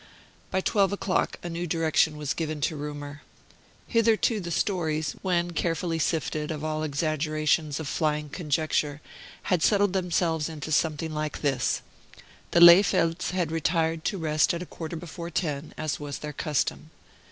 By twelve o'clock a new direction was given to rumor. Hitherto the stories, when carefully sifted of all exaggerations of flying conjecture, had settled themselves into something like this: The Lehfeldts had retired to rest at a quarter before ten, as was their custom.